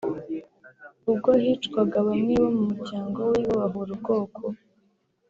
ubwo hicwaga bamwe bo mu muryango we babahora ubwoko